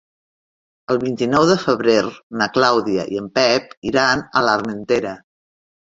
El vint-i-nou de febrer na Clàudia i en Pep iran a l'Armentera.